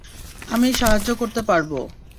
আমি সাহায্য করতে পারবো।